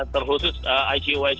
terkhusus icu icu yang terbaik